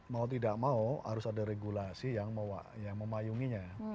mau tidak mau harus ada regulasi yang memayunginya